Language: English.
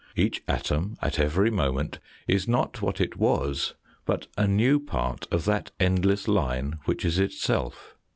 Each atom at every moment is not what it was, but a new part of that endless line which is itself.